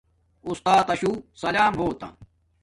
اُستاتا شو سلام ہوتا